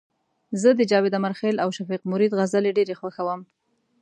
زه د جاوید امرخیل او شفیق مرید غزلي ډيري خوښوم